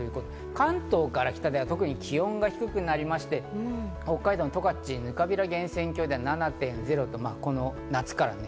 関東から北では特に気温が低くなりまして、北海道の十勝、ぬかびら源泉郷では７度。